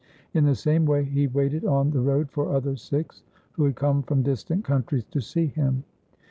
In the same way he waited on the road for other Sikhs who had come from distant countries to see him.